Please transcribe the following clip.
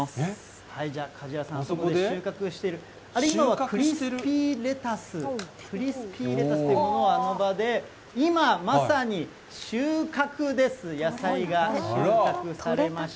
じゃあ、梶原さん。収穫している、あれ、今はクリスピーレタス、クリスピーレタスというものをあの場で、今、まさに収穫です、野菜が収穫されまして。